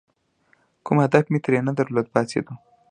کوم هدف مې ترې نه درلود، پاڅېدو.